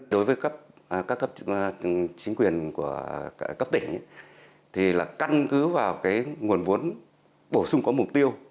đối với các chính quyền của các tỉnh thì là căn cứ vào cái nguồn vốn bổ sung có mục tiêu